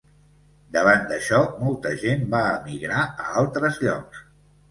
Davant d'això, molta gent va emigrar a altres llocs.